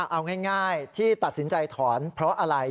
เอาง่ายที่ตัดสินใจถอนเพราะอะไร